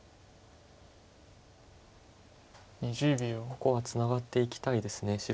ここはツナがっていきたいです白も。